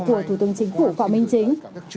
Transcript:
của thủ tướng chính phủ phạm minh chính